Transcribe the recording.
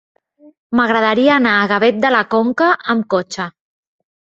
M'agradaria anar a Gavet de la Conca amb cotxe.